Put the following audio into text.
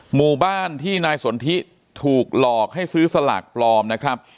หมู่บ้านที่นายสนทิถูกหลอกให้ซื้อสลากปลอมนะครับ